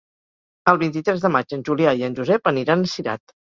El vint-i-tres de maig en Julià i en Josep aniran a Cirat.